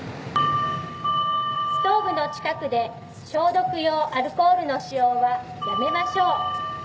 ストーブの近くで消毒用アルコールの使用はやめましょう。